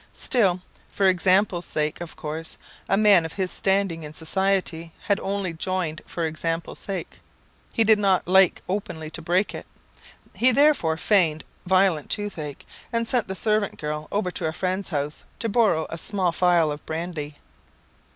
Still, for examples' sake, of course, a man of his standing in society had only joined for examples' sake; he did not like openly to break it. He therefore feigned violent toothache, and sent the servant girl over to a friend's house to borrow a small phial of brandy.